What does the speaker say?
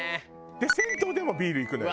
で銭湯でもビールいくのよ。